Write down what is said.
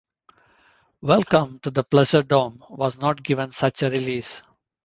"Welcome to the Pleasuredome" was not given such a release.